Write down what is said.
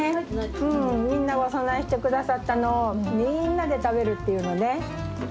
うんみんながお供えしてくださったのをみんなで食べるっていうのね。